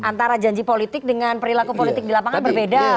antara janji politik dengan perilaku politik di lapangan berbeda